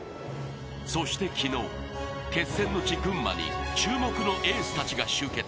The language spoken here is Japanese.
そして昨日、決戦の地、群馬に注目のエースたちが集結。